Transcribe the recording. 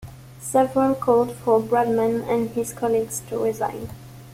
Several called for Bradman and his colleagues to resign.